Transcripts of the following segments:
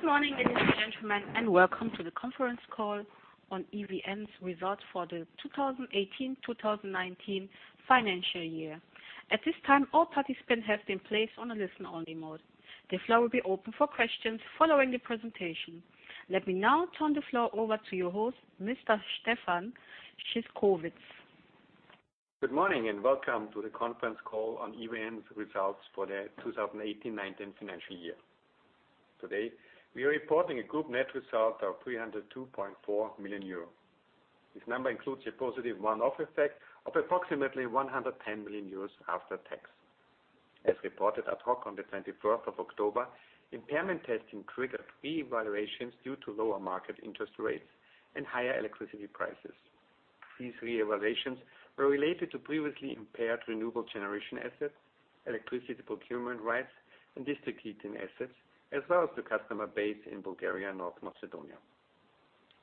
Good morning, ladies and gentlemen. Welcome to the conference call on EVN's results for the 2018/2019 financial year. At this time, all participants have been placed on a listen-only mode. The floor will be open for questions following the presentation. Let me now turn the floor over to your host, Mr. Stefan Szyszkowitz. Good morning, welcome to the conference call on EVN's results for the 2018/2019 financial year. Today, we are reporting a group net result of 302.4 million euro. This number includes a positive one-off effect of approximately 110 million euros after tax. As reported ad hoc on the 24th of October, impairment testing triggered revaluations due to lower market interest rates and higher electricity prices. These revaluations were related to previously impaired renewable generation assets, electricity procurement rights, and distributing assets, as well as the customer base in Bulgaria, North Macedonia.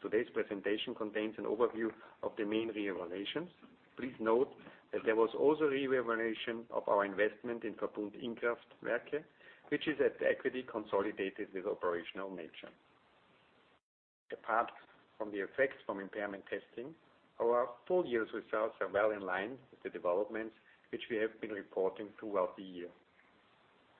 Today's presentation contains an overview of the main revaluations. Please note that there was also revaluation of our investment in VERBUND Innkraftwerke, which is at the equity consolidated with operational nature. Apart from the effects from impairment testing, our full year results are well in line with the developments which we have been reporting throughout the year.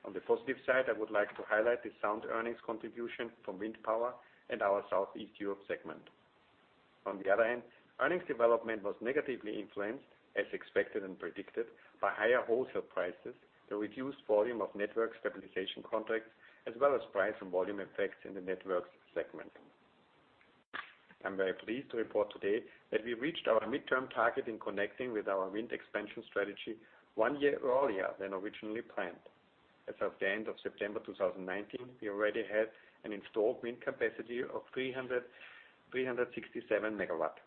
Earnings development was negatively influenced, as expected and predicted, by higher wholesale prices, the reduced volume of network stabilization contracts, as well as price and volume effects in the networks segment. I'm very pleased to report today that we reached our midterm target in connecting with our wind expansion strategy one year earlier than originally planned. As of the end of September 2019, we already had an installed wind capacity of 367 megawatts.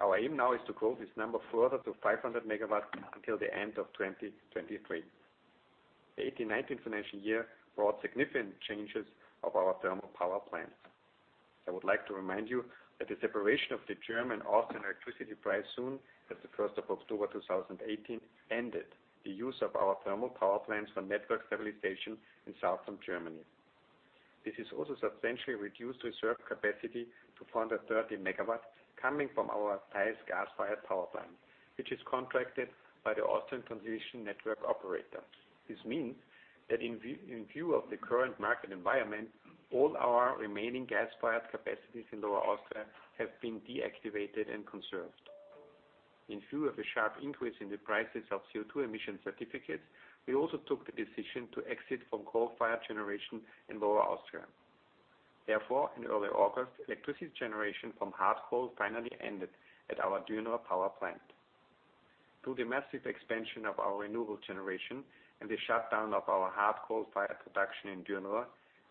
Our aim now is to grow this number further to 500 megawatts until the end of 2023. The 2018-2019 financial year brought significant changes of our thermal power plant. I would like to remind you that the separation of the German-Austrian electricity price zone, as of October 1, 2018, ended the use of our thermal power plants for network stabilization in Southern Germany. This has also substantially reduced reserve capacity to 430 MW coming from our Tyrolese gas-fired power plant, which is contracted by the Austrian transition network operator. This means that in view of the current market environment, all our remaining gas-fired capacities in Lower Austria have been deactivated and conserved. In view of the sharp increase in the prices of CO2 emission certificates, we also took the decision to exit from coal-fired generation in Lower Austria. Therefore, in early August, electricity generation from hard coal finally ended at our Dürnrohr power plant. Through the massive expansion of our renewable generation and the shutdown of our hard coal-fired production in Dürnrohr,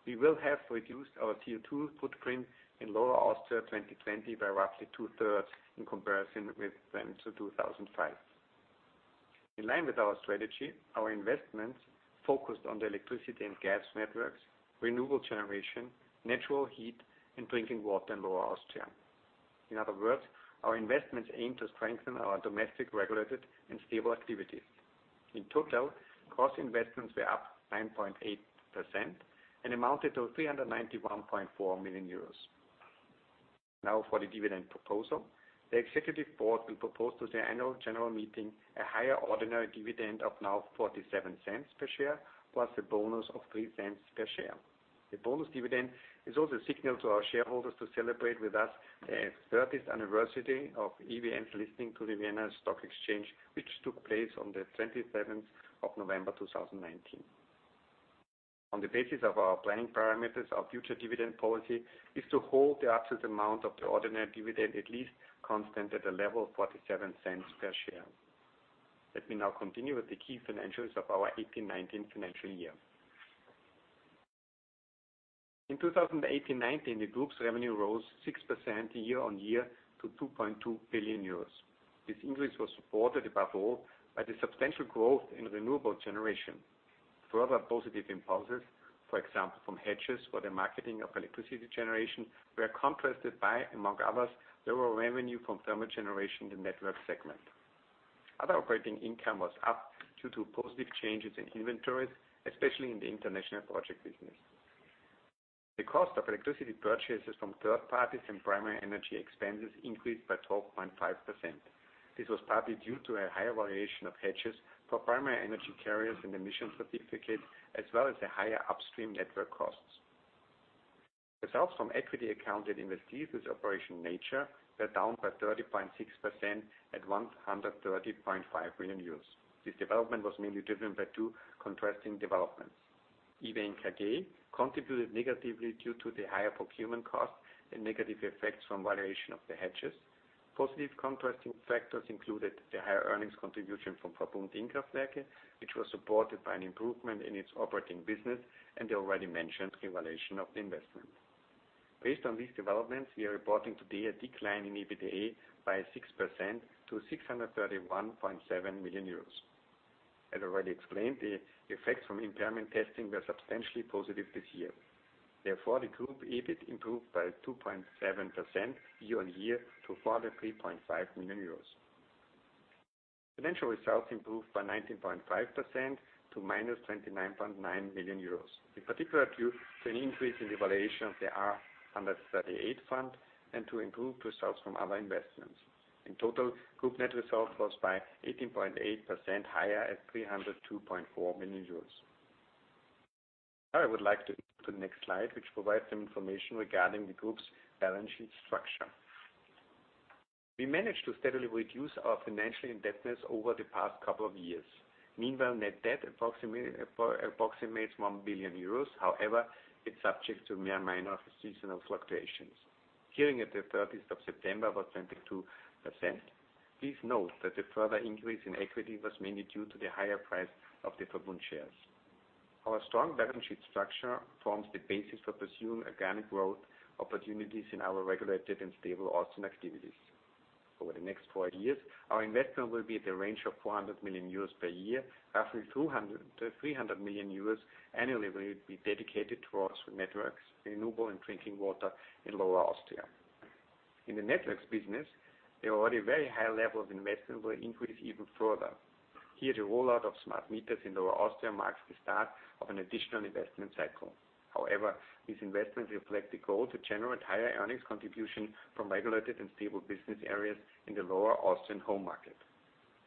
we will have reduced our CO2 footprint in Lower Austria 2020 by roughly two-thirds in comparison with 2005. In line with our strategy, our investments focused on the electricity and gas networks, renewable generation, natural heat, and drinking water in Lower Austria. In other words, our investments aim to strengthen our domestic regulated and stable activities. In total, gross investments were up 9.8% and amounted to 391.4 million euros. Now for the dividend proposal. The executive board will propose to the annual general meeting a higher ordinary dividend of now 0.47 per share, plus a bonus of 0.03 per share. The bonus dividend is also a signal to our shareholders to celebrate with us the 30th anniversary of EVN's listing to the Vienna Stock Exchange, which took place on the 27th of November 2019. On the basis of our planning parameters, our future dividend policy is to hold the absolute amount of the ordinary dividend at least constant at a level of 0.47 per share. Let me now continue with the key financials of our 2018-2019 financial year. In 2018-2019, the group's revenue rose 6% year on year to 2.2 billion euros. This increase was supported above all by the substantial growth in renewable generation. Further positive impulses, for example, from hedges for the marketing of electricity generation, were compensated by, among others, lower revenue from thermal generation in the network segment. Other operating income was up due to positive changes in inventories, especially in the international project business. The cost of electricity purchases from third parties and primary energy expenses increased by 12.5%. This was partly due to a higher valuation of hedges for primary energy carriers and emission certificates, as well as the higher upstream network costs. Results from equity accounted investees operation nature were down by 30.6% at 130.5 million. This development was mainly driven by two contrasting developments. EVN AG contributed negatively due to the higher procurement cost and negative effects from valuation of the hedges. Positive contrasting factors included the higher earnings contribution from Verbund Innkraftwerke, which was supported by an improvement in its operating business and the already mentioned revaluation of the investment. Based on these developments, we are reporting today a decline in EBITDA by 6% to 631.7 million euros. As already explained, the effects from impairment testing were substantially positive this year. The group EBIT improved by 2.7% year-on-year to 403.5 million euros. Financial results improved by 19.5% to minus 29.9 million euros, in particular due to an increase in the valuation of the R138 fund and to improved results from other investments. In total, group net result was by 18.8% higher at 302.4 million. I would like to move to the next slide, which provides some information regarding the group's balance sheet structure. We managed to steadily reduce our financial indebtedness over the past couple of years. Meanwhile, net debt approximates 1 billion euros. It's subject to mere minor seasonal fluctuations. Geared at the 30th of September was 22%. Please note that the further increase in equity was mainly due to the higher price of the Verbund shares. Our strong balance sheet structure forms the basis for pursuing organic growth opportunities in our regulated and stable Austrian activities. Over the next four years, our investment will be at the range of 400 million euros per year. Roughly 300 million euros annually will be dedicated towards networks, renewable, and drinking water in Lower Austria. In the networks business, the already very high level of investment will increase even further. Here, the rollout of smart meters in Lower Austria marks the start of an additional investment cycle. However, these investments reflect the goal to generate higher earnings contribution from regulated and stable business areas in the Lower Austrian home market.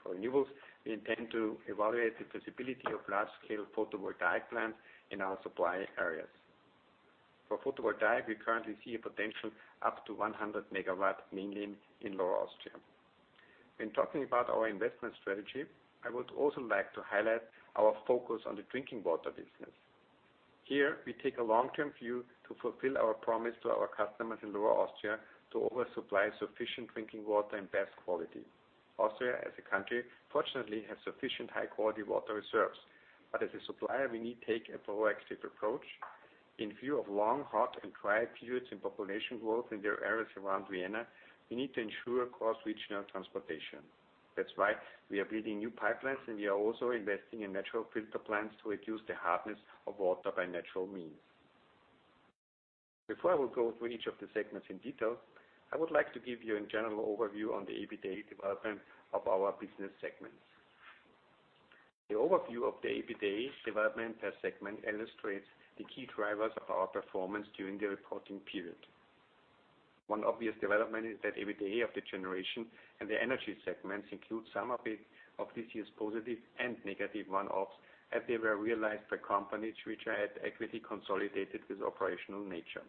For renewables, we intend to evaluate the feasibility of large-scale photovoltaic plants in our supply areas. For photovoltaic, we currently see a potential up to 100 megawatts, mainly in Lower Austria. When talking about our investment strategy, I would also like to highlight our focus on the drinking water business. Here, we take a long-term view to fulfill our promise to our customers in Lower Austria to always supply sufficient drinking water in the best quality. Austria as a country fortunately has sufficient high-quality water reserves, but as a supplier, we need to take a proactive approach. In view of long, hot, and dry periods and population growth in the areas around Vienna, we need to ensure cross-regional transportation. That's why we are building new pipelines, and we are also investing in natural filter plants to reduce the hardness of water by natural means. Before I will go through each of the segments in detail, I would like to give you a general overview on the EBITDA development of our business segments. The overview of the EBITDA development per segment illustrates the key drivers of our performance during the reporting period. One obvious development is that EBITDA of the generation and the energy segments include some of this year's positive and negative one-offs, as they were realized by companies which had equity consolidated with operational nature.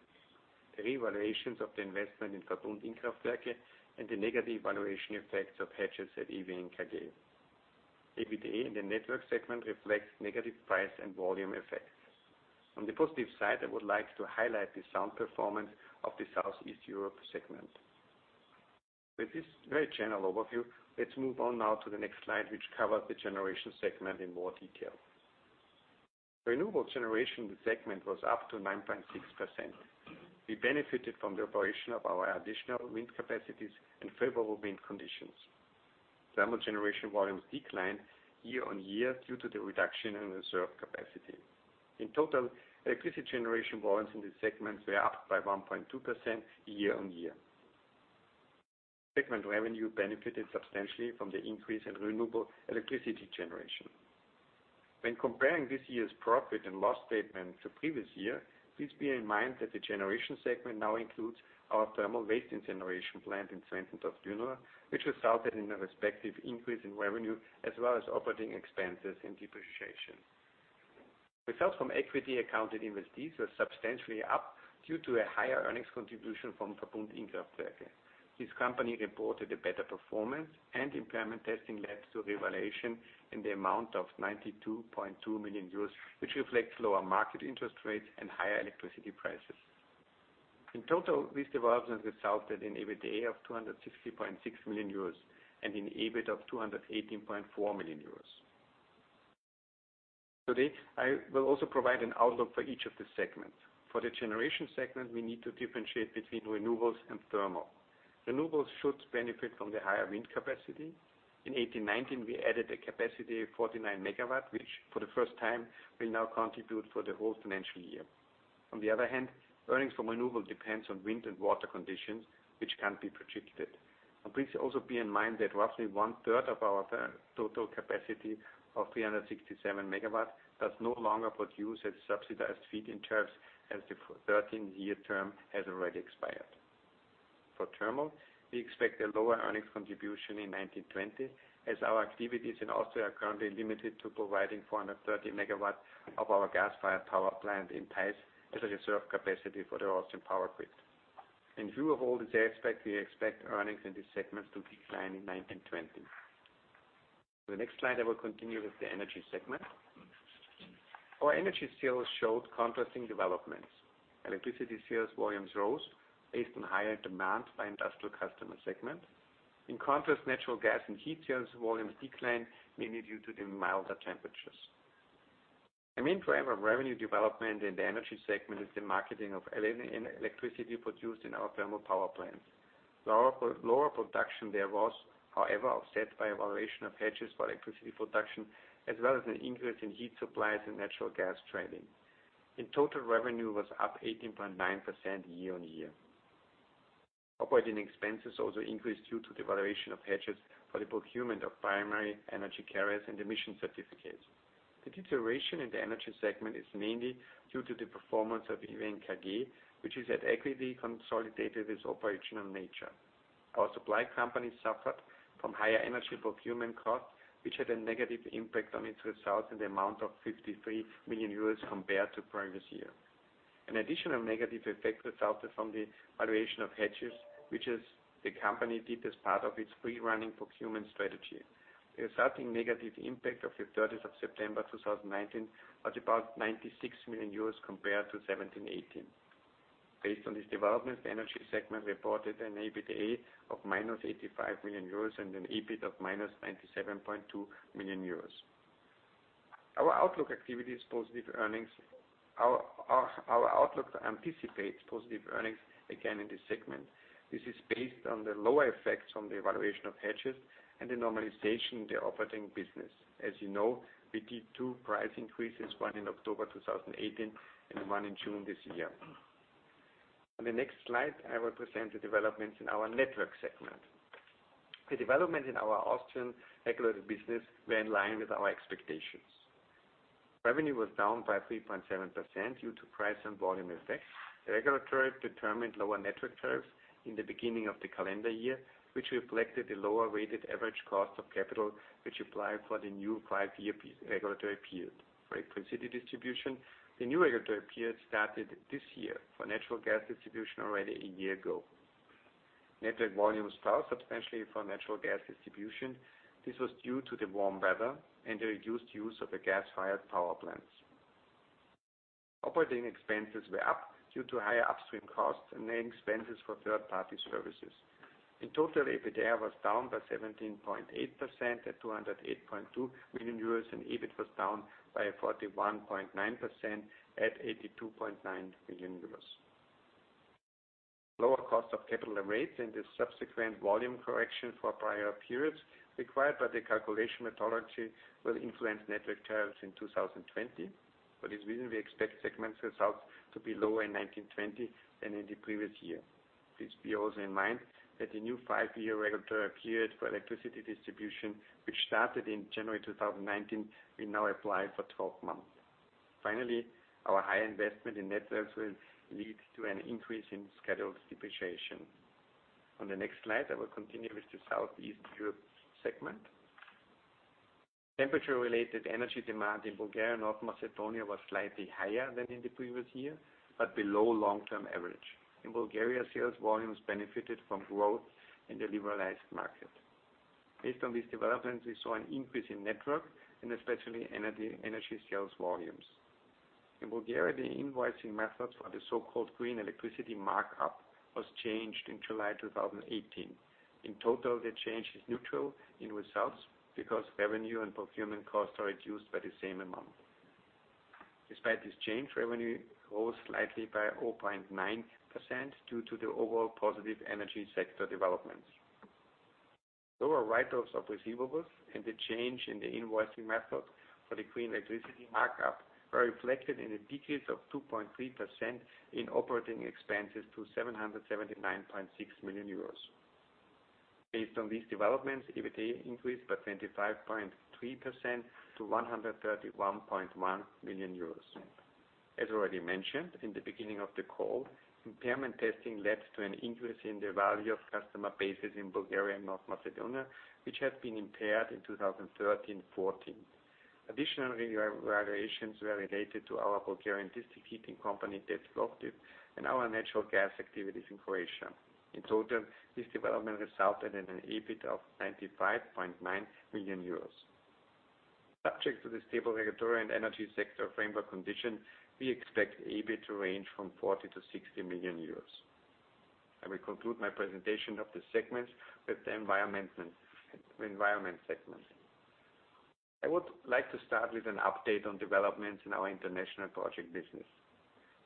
The revaluations of the investment in Verbund Innkraftwerke and the negative valuation effects of hedges at EVN KG. EBITDA in the networks segment reflects negative price and volume effects. On the positive side, I would like to highlight the sound performance of the Southeast Europe segment. With this very general overview, let's move on now to the next slide, which covers the generation segment in more detail. Renewable generation in the segment was up to 9.6%. We benefited from the operation of our additional wind capacities and favorable wind conditions. Thermal generation volumes declined year-over-year due to the reduction in reserve capacity. In total, electricity generation volumes in this segment were up by 1.2% year-on-year. Segment revenue benefited substantially from the increase in renewable electricity generation. When comparing this year's profit and loss statement to the previous year, please bear in mind that the generation segment now includes our thermal waste incineration plant in Zwentendorf, which resulted in a respective increase in revenue as well as operating expenses and depreciation. Results from equity accounted investees were substantially up due to a higher earnings contribution from Verbund Innkraftwerke. This company reported a better performance and impairment testing led to revaluation in the amount of 92.2 million euros, which reflects lower market interest rates and higher electricity prices. In total, these developments resulted in EBITDA of 260.6 million euros and an EBIT of 218.4 million euros. Today, I will also provide an outlook for each of the segments. For the generation segment, we need to differentiate between renewables and thermal. Renewables should benefit from the higher wind capacity. In 2018/2019, we added a capacity of 49 megawatts, which for the first time will now contribute for the whole financial year. Earnings from renewable depends on wind and water conditions, which can't be predicted. Please also bear in mind that roughly one-third of our total capacity of 367 megawatts does no longer produce at subsidized feed-in tariffs, as the 13-year term has already expired. For thermal, we expect a lower earnings contribution in 2019/2020, as our activities in Austria are currently limited to providing 430 megawatts of our gas-fired power plant in Theiss as a reserve capacity for the Austrian power grid. In view of all these aspects, we expect earnings in this segment to decline in 2019/2020. On the next slide, I will continue with the energy segment. Our energy sales showed contrasting developments. Electricity sales volumes rose based on higher demand by industrial customer segment. In contrast, natural gas and heat sales volumes declined, mainly due to the milder temperatures. A main driver of revenue development in the energy segment is the marketing of electricity produced in our thermal power plants. Lower production there was, however, offset by a valuation of hedges for electricity production, as well as an increase in heat supplies and natural gas trading. In total, revenue was up 18.9% year-on-year. Operating expenses also increased due to the valuation of hedges for the procurement of primary energy carriers and emission certificates. The deterioration in the energy segment is mainly due to the performance of EVN AG, which is at equity consolidated with operational nature. Our supply company suffered from higher energy procurement costs, which had a negative impact on its results in the amount of 53 million euros compared to previous year. An additional negative effect resulted from the valuation of hedges, which is the company did as part of its free running procurement strategy. The resulting negative impact of the 30th of September 2019 was about 96 million euros compared to 2017, 2018. Based on this development, the energy segment reported an EBITDA of minus 85 million euros and an EBIT of minus 97.2 million euros. Our outlook anticipates positive earnings again in this segment. This is based on the lower effects from the valuation of hedges and the normalization in the operating business. As you know, we did two price increases, one in October 2018 and one in June this year. On the next slide, I will present the developments in our network segment. The development in our Austrian regulated business were in line with our expectations. Revenue was down by 3.7% due to price and volume effects. Regulatory determined lower network tariffs in the beginning of the calendar year, which reflected the lower weighted average cost of capital, which applied for the new five-year regulatory period. For electricity distribution, the new regulatory period started this year. For natural gas distribution, already a year ago. Network volumes fell substantially for natural gas distribution. This was due to the warm weather and the reduced use of the gas-fired power plants. Operating expenses were up due to higher upstream costs and expenses for third-party services. In total, EBITDA was down by 17.8% at 208.2 million euros, and EBIT was down by 41.9% at 82.9 million euros. Lower cost of capital rates and the subsequent volume correction for prior periods required by the calculation methodology will influence network tariffs in 2020. For this reason, we expect segment results to be lower in 2019, 2020 than in the previous year. Please bear also in mind that the new five-year regulatory period for electricity distribution, which started in January 2019, will now apply for 12 months. Finally, our high investment in networks will lead to an increase in scheduled depreciation. On the next slide, I will continue with the Southeast Europe segment. Temperature-related energy demand in Bulgaria, North Macedonia was slightly higher than in the previous year, but below long-term average. In Bulgaria, sales volumes benefited from growth in the liberalized market. Based on these developments, we saw an increase in network and especially energy sales volumes. In Bulgaria, the invoicing method for the so-called green electricity markup was changed in July 2018. In total, the change is neutral in results because revenue and procurement costs are reduced by the same amount. Despite this change, revenue grows slightly by 0.9% due to the overall positive energy sector developments. Lower write-offs of receivables and the change in the invoicing method for the green electricity markup are reflected in a decrease of 2.3% in operating expenses to 779.6 million euros. Based on these developments, EBITDA increased by 25.3% to 131.1 million euros. As already mentioned in the beginning of the call, impairment testing led to an increase in the value of customer bases in Bulgaria, North Macedonia, which had been impaired in 2013-'14. Additional valuations were related to our Bulgarian district heating company, Toplofikatsia Plovdiv, and our natural gas activities in Croatia. In total, this development resulted in an EBIT of 95.9 million euros. Subject to the stable regulatory and energy sector framework condition, we expect EBIT to range from 40 million-60 million euros. I will conclude my presentation of the segments with the environment segment. I would like to start with an update on developments in our international project business.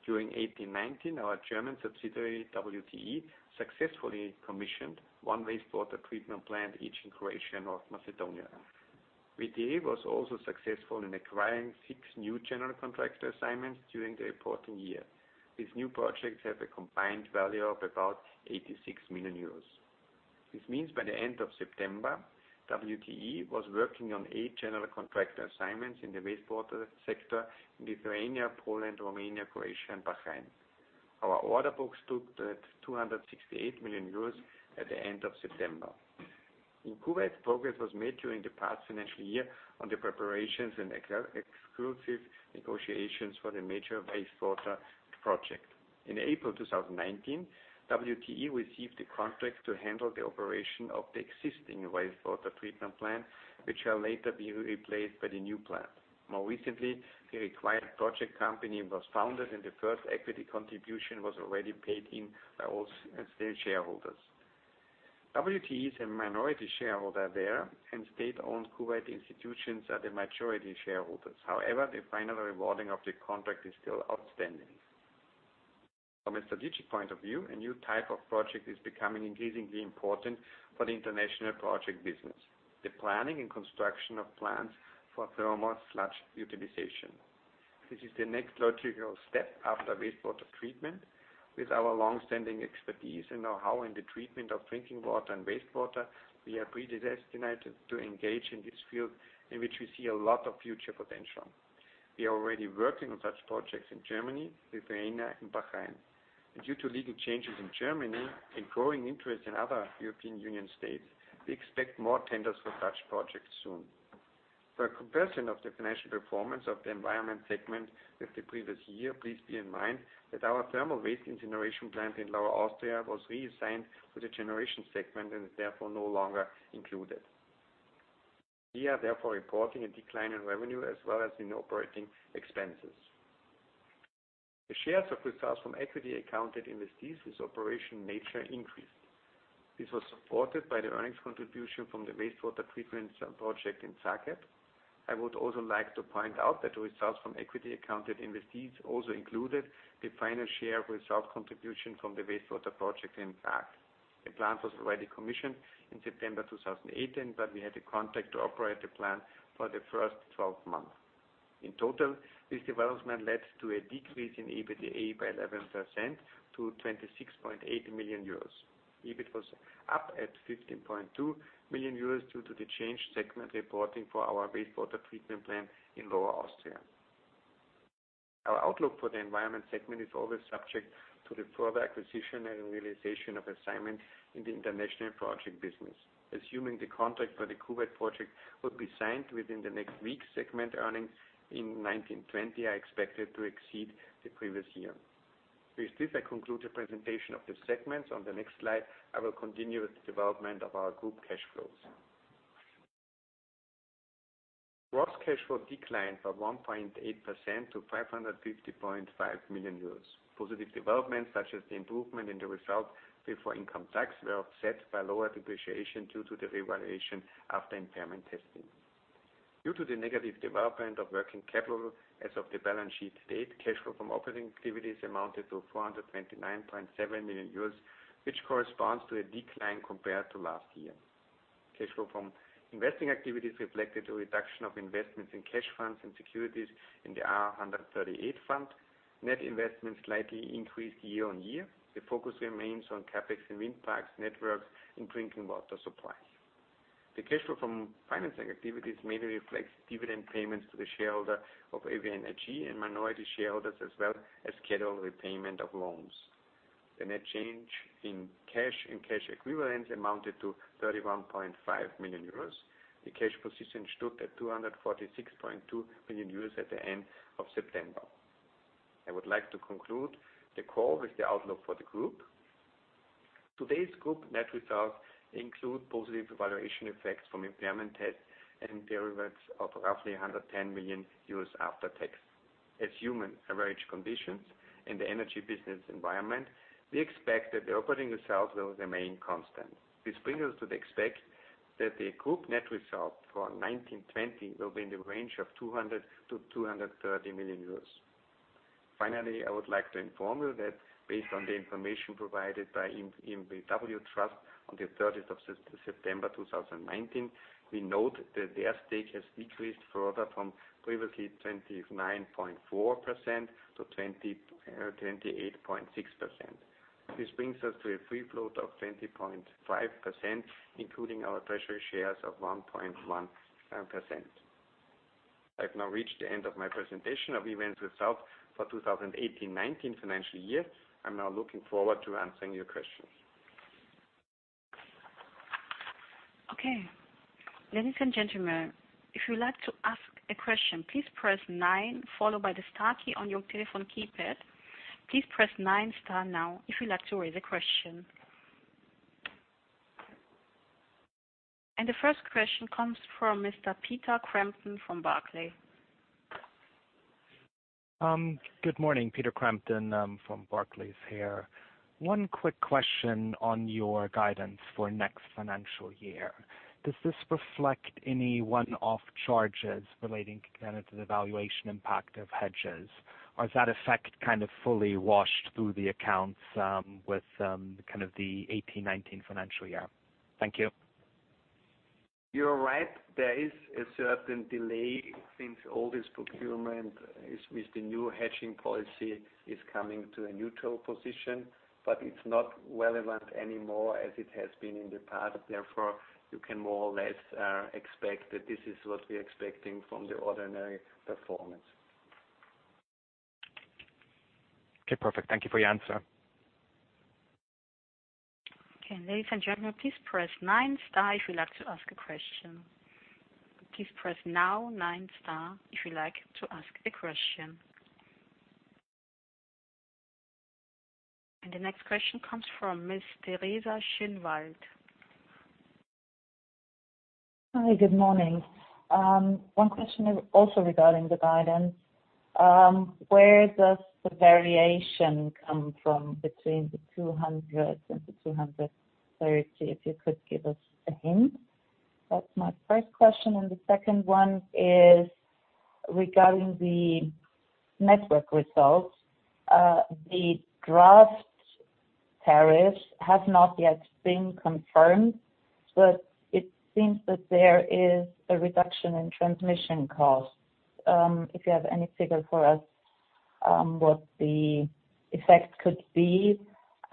During 2018, 2019, our German subsidiary, WTE, successfully commissioned one wastewater treatment plant, each in Croatia, North Macedonia. WTE was also successful in acquiring six new general contractor assignments during the reporting year. These new projects have a combined value of about 86 million euros. This means by the end of September, WTE was working on eight general contractor assignments in the wastewater sector in Lithuania, Poland, Romania, Croatia, and Bahrain. Our order books stood at 268 million euros at the end of September. In Kuwait, progress was made during the past financial year on the preparations and exclusive negotiations for the major wastewater project. In April 2019, WTE received the contract to handle the operation of the existing wastewater treatment plant, which shall later be replaced by the new plant. More recently, the required project company was founded, and the first equity contribution was already paid in by all state shareholders. WTE is a minority shareholder there, and state-owned Kuwait institutions are the majority shareholders. However, the final rewarding of the contract is still outstanding. From a strategic point of view, a new type of project is becoming increasingly important for the international project business, the planning and construction of plants for thermal sludge utilization. This is the next logical step after wastewater treatment. With our longstanding expertise in know-how in the treatment of drinking water and wastewater, we are predestinated to engage in this field in which we see a lot of future potential. We are already working on such projects in Germany, Lithuania, and Bahrain. Due to legal changes in Germany and growing interest in other European Union states, we expect more tenders for such projects soon. For a comparison of the financial performance of the Environment Segment with the previous year, please bear in mind that our thermal waste incineration plant in Lower Austria was reassigned to the Generation Segment and is therefore no longer included. We are therefore reporting a decline in revenue as well as in operating expenses. The shares of results from equity accounted investees with operation nature increased. This was supported by the earnings contribution from the wastewater treatment project in Umm al-Quwain. I would also like to point out that results from equity accounted investees also included the final share result contribution from the wastewater project in Graz. The plant was already commissioned in September 2018, but we had a contract to operate the plant for the first 12 months. In total, this development led to a decrease in EBITDA by 11% to 26.8 million euros. EBIT was up at 15.2 million euros due to the change segment reporting for our wastewater treatment plant in Lower Austria. Our outlook for the environment segment is always subject to the further acquisition and realization of assignments in the international project business. Assuming the contract for the Kuwait project will be signed within the next week, segment earnings in 1920 are expected to exceed the previous year. With this, I conclude the presentation of the segments. On the next slide, I will continue with the development of our group cash flows. Gross cash flow declined by 1.8% to 550.5 million euros. Positive developments such as the improvement in the result before income tax were offset by lower depreciation due to the revaluation after impairment testing. Due to the negative development of working capital as of the balance sheet date, cash flow from operating activities amounted to 429.7 million euros, which corresponds to a decline compared to last year. Cash flow from investing activities reflected a reduction of investments in cash funds and securities in the R138 fund. Net investment slightly increased year on year. The focus remains on CapEx and wind parks networks and drinking water supply. The cash flow from financing activities mainly reflects dividend payments to the shareholder of EVN AG and minority shareholders, as well as scheduled repayment of loans. The net change in cash and cash equivalents amounted to 31.5 million euros. The cash position stood at 246.2 million euros at the end of September. I would like to conclude the call with the outlook for the group. Today's group net results include positive valuation effects from impairment tests and derivatives of roughly 110 million after tax. Assuming average conditions in the energy business environment, we expect that the operating results will remain constant. This brings us to expect that the group net result for 2019/2020 will be in the range of 200 million-230 million euros. Finally, I would like to inform you that based on the information provided by EnBW-Trust e.V. On the 30th of September 2019, we note that their stake has decreased further from previously 29.4% to 28.6%. This brings us to a free float of 20.5%, including our treasury shares of 1.1%. I've now reached the end of my presentation of EVN's results for 2018/2019 financial year. I'm now looking forward to answering your questions. Okay. Ladies and gentlemen, if you'd like to ask a question, please press nine followed by the star key on your telephone keypad. Please press nine star now if you'd like to raise a question. The first question comes from Mr. Peter Crampton from Barclays. Good morning, Peter Crampton from Barclays here. One quick question on your guidance for next financial year. Does this reflect any one-off charges relating to the valuation impact of hedges, or is that effect fully washed through the accounts with the 2018-2019 financial year? Thank you. You're right. There is a certain delay since all this procurement with the new hedging policy is coming to a neutral position, but it's not relevant anymore as it has been in the past. Therefore, you can more or less expect that this is what we're expecting from the ordinary performance. Okay, perfect. Thank you for your answer. Okay, ladies and gentlemen, please press 9 star if you'd like to ask a question. Please press now 9 star if you'd like to ask a question. The next question comes from Ms. Theresa Schönwald. Hi, good morning. One question is also regarding the guidance. Where does the variation come from between the 200 and the 230, if you could give us a hint? That's my first question. The second one is regarding the network results. The draft tariffs have not yet been confirmed, but it seems that there is a reduction in transmission costs. If you have any figure for us, what the effect could be,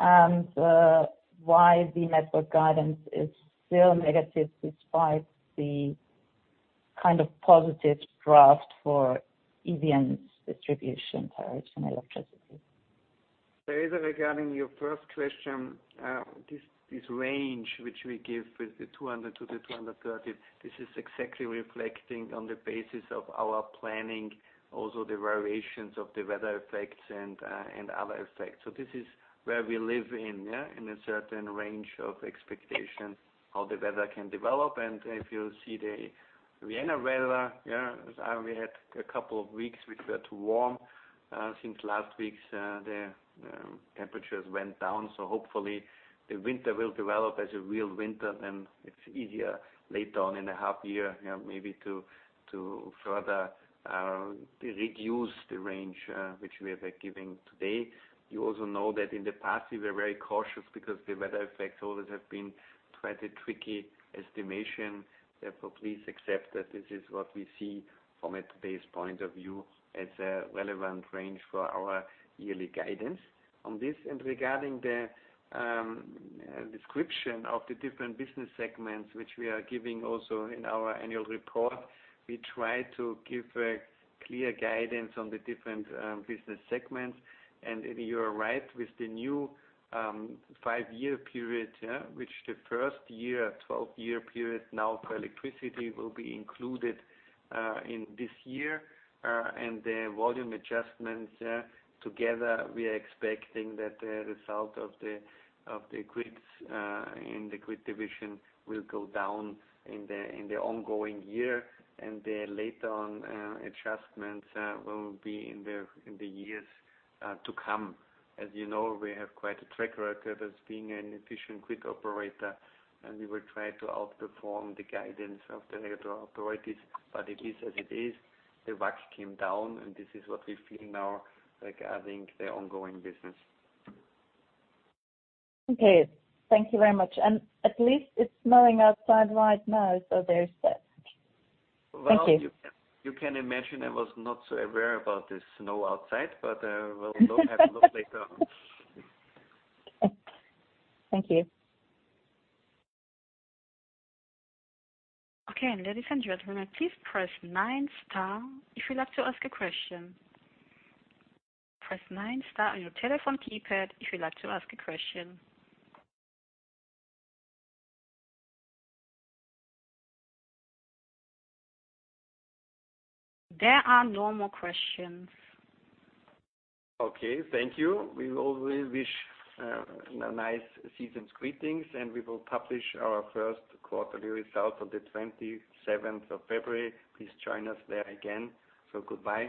and why the network guidance is still negative despite the kind of positive draft for EVN's distribution tariffs and electricity. Theresa, regarding your first question, this range, which we give with the 200 to the 230, this is exactly reflecting on the basis of our planning, also the variations of the weather effects and other effects. This is where we live in, yeah, in a certain range of expectation how the weather can develop. If you see the Vienna weather, yeah, we had a couple of weeks which were too warm. Since last week, the temperatures went down, so hopefully the winter will develop as a real winter, then it's easier later on in a half year, maybe to further reduce the range which we are giving today. You also know that in the past, we were very cautious because the weather effects always have been quite a tricky estimation. Therefore, please accept that this is what we see from a today's point of view as a relevant range for our yearly guidance on this. Regarding the description of the different business segments, which we are giving also in our annual report, we try to give a clear guidance on the different business segments. You are right, with the new five-year period, which the first year, 12-year period now for electricity will be included in this year, and the volume adjustments together, we are expecting that the result of the grids in the grid division will go down in the ongoing year. Later on, adjustments will be in the years to come. As you know, we have quite a track record as being an efficient grid operator, and we will try to outperform the guidance of the regulatory authorities, but it is as it is. The backs came down, and this is what we feel now regarding the ongoing business. Okay. Thank you very much. At least it's snowing outside right now, so there is that. Thank you. Well, you can imagine I was not so aware about the snow outside, but we'll go have a look later on. Thank you. Okay. Ladies and gentlemen, please press nine star if you'd like to ask a question. Press nine star on your telephone keypad if you'd like to ask a question. There are no more questions. Okay. Thank you. We wish you nice seasons greetings. We will publish our first quarterly results on the 27th of February. Please join us there again. Goodbye.